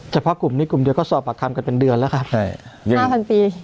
เฉพาะกลุ่มนี้กลุ่มเดียวก็สอบปากคำกันเป็นเดือนแล้วครับห้าพันปี